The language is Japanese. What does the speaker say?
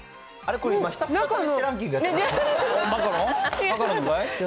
これひたすら試してランキングやってます？